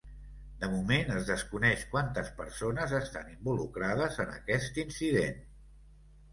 De moment es desconeix quantes persones estan involucrades en aquest incident.